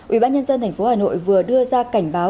ubnd tp hà nội vừa đưa ra cảnh báo